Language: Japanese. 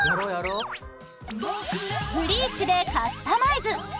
ブリーチでカスタマイズ。